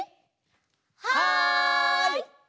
はい！